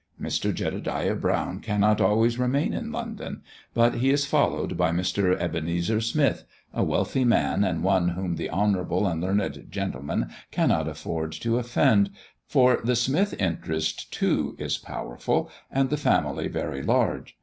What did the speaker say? Mr. Jedediah Brown cannot always remain in London, but he is followed by Mr. Ebenezer Smith, a wealthy man, and one whom the honourable and learned gentleman cannot afford to offend, for the Smith interest, too, is powerful, and the family very large.